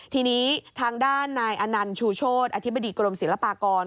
ทีนี้ทางด้านนายอนันต์ชูโชธอธิบดีกรมศิลปากร